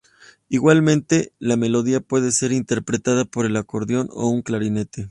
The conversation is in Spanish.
Igualmente, la melodía puede ser interpretada por el acordeón o un clarinete.